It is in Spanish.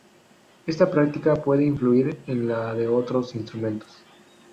Esta práctica puede influir en la de otros instrumentos.